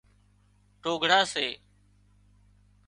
ٽوگھڙا سي